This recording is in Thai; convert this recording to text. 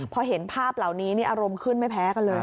พอเห็นภาพเหล่านี้อารมณ์ขึ้นไม่แพ้กันเลย